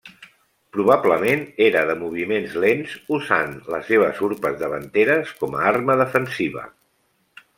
Probablement era de moviments lents, usant les seves urpes davanteres com a arma defensiva.